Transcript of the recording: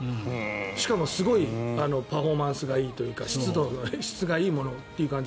しかもすごいパフォーマンスがいいというか質がいいものという感じ。